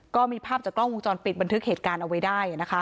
ก็มีภาพจากกล้องวงจรปิดบันทึกเหตุการณ์เอาไว้ได้นะคะ